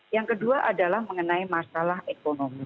yang kedua adalah mengenai masalah ekonomi